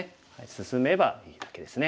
進めばいいだけですね。